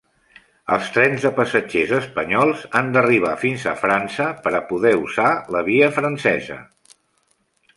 Els trens de passatgers espanyols han d'arribar fins a França per a poder usar la via francesa.